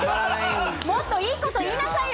もっといいこと言いなさいよ！